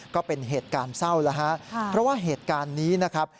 ก็เป็นเหตุการณ์เศร้าแล้วฮะเพราะว่าเหตุการณ์นี้นะครับ